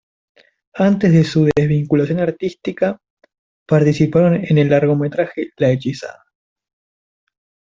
Antes de su desvinculación artística, participaron en el largometraje La hechizada.